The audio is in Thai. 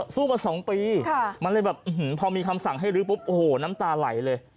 สู้มา๒ปีมันเลยแบบพอมีคำสั่งให้ลื้อปุ๊บโอ้โหน้ำตาไหลเลย